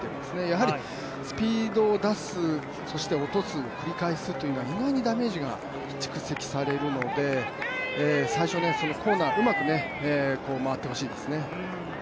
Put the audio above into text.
やはりスピードを出すそして落とすを繰り返すと意外とダメージが蓄積されるので、最初のコーナーうまく回ってほしいですね。